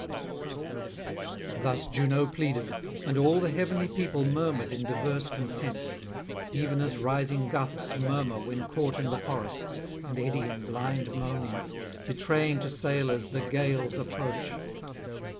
Thus Juno pleaded; and all the heavenly people murmured in diverse consent; even as rising gusts murmur when caught in the forests, and eddy in blind moanings, betraying to sailors the gale's approach.